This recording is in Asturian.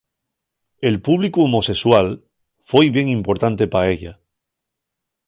El públicu homosexual foi bien importante pa ella.